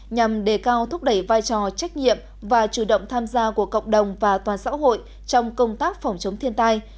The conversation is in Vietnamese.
nhằm đề cao thúc đẩy vai trò trách nhiệm và chủ động tham gia của cộng đồng và toàn xã hội trong công tác phòng chống thiên tai